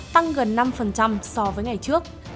tăng gần năm so với ngày trước